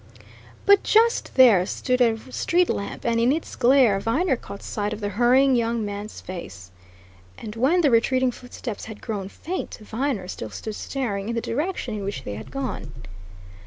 But just there stood a street lamp, and in its glare Viner caught sight of the hurrying young man's face. And when the retreating footsteps had grown faint, Viner still stood staring in the direction in which they had gone.